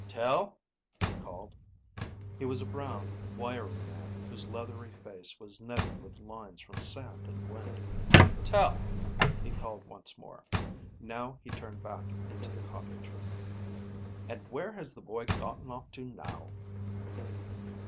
"Tel?" he called. He was a brown, wiry man whose leathery face was netted with lines from sand and wind. "Tel?" he called once more. Now he turned back into the cottage. "And where has the boy gotten off to now?"